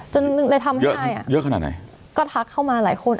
จนเลยทำให้ได้อ่ะเยอะขนาดไหนก็ทักเข้ามาหลายคน